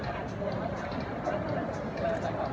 มันเป็นสิ่งที่จะให้ทุกคนรู้สึกว่า